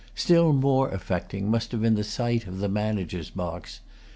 Still more affecting must have been the sight of the managers' box.